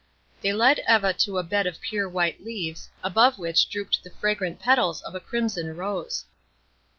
They led Eva to a bed of pure white leaves, above which drooped the fragrant petals of a crimson rose.